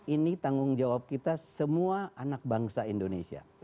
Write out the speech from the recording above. ini tanggung jawab kita semua anak bangsa indonesia